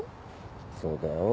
そうだよ。